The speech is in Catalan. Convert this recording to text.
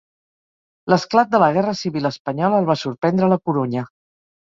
L'esclat de la guerra civil espanyola el va sorprendre a la Corunya.